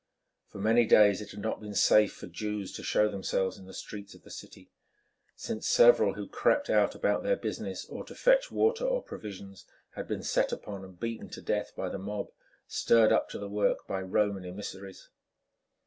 For many days it had not been safe for Jews to show themselves in the streets of the city, since several who crept out about their business, or to fetch water or provisions, had been set upon and beaten to death by the mob, stirred up to the work by Roman emissaries.